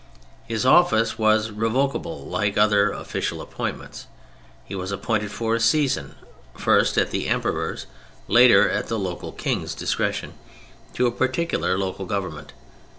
His office was revocable, like other official appointments. He was appointed for a season, first at the Emperor's, later at the local King's discretion, to a particular local government.